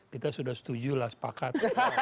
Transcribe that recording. kita sudah setuju lah sepakat